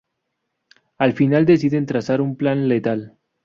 Al final deciden trazar un plan letal.